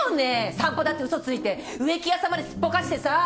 散歩だって嘘ついて植木屋さんまですっぽかしてさ。